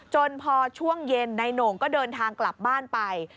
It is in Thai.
จนพอช่วงเย็นนายโหน่งก็เดินทางกลับบ้านไป